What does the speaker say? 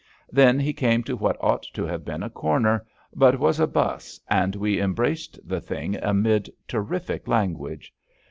Then he came to what ought to have been a corner^ but was a 'bus, and we embraced the thing amid terrific language.